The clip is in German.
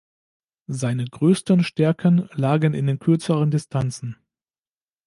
Seine größten Stärken lagen in den kürzeren Distanzen.